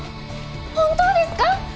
本当ですか？